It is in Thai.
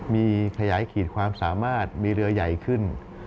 มีขยายขีดความสามารถมีเรือใหญ่ขึ้น